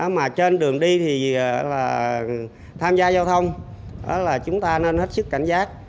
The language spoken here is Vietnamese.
mà trên đường đi thì tham gia giao thông chúng ta nên hết sức cảnh giác